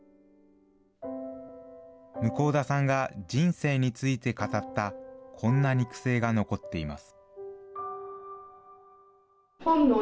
向田さんが人生について語った、こんな肉声が残っています。